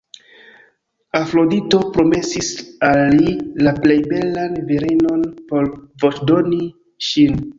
Afrodito promesis al li la plej belan virinon por voĉdoni ŝin.